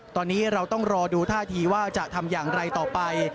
ตอนนี้เราต้องรอดูท่าทีว่าจะทำอย่างไรต่อไป